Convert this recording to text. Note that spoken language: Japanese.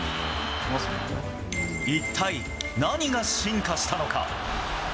一体、何が進化したのか。